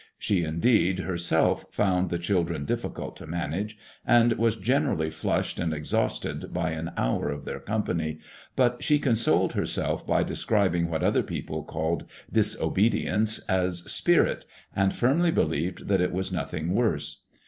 She, indeed, herself found the children diffi cult to manage, and was gene rally flushed and exhausted by an hour of their company, but she consoled herself by describing what other people called disobe dience as spirit, and firmly believing that it was nothing worse.